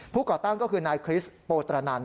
ผู้เกาะตั้งก็คือนายคริสโปตรญัน